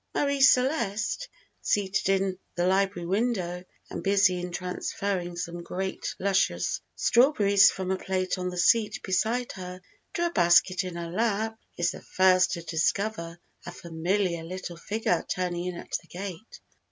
Marie Celeste, seated in the library window, and busy in transferring some great luscious strawberries from a plate on the seat beside her to a basket in her lap, is the first to discover a familiar little figure turning in at the gate.